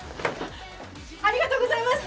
ありがとうございます！